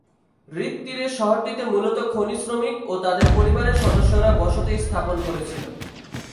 হ্রদ তীরের শহরটিতে মূলত খনি শ্রমিক ও তাদের পরিবারের সদস্যরা বসতি স্থাপন করেছিল।